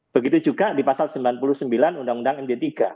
begitu juga di pasal sembilan puluh sembilan undang undang md tiga